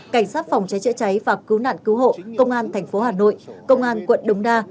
cảnh sát phòng cháy chữa cháy và cứu nạn cứu hộ công an thành phố hà nội công an quận đống đa